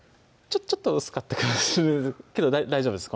ちょっと薄かったかもけど大丈夫です